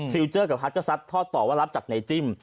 เจอร์กับพัดก็ซัดทอดต่อว่ารับจากในจิ้ม